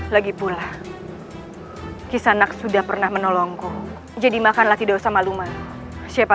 lagi pula kisanak sudah pernah menolongku jadi makanlah tidak usah malu malu siapa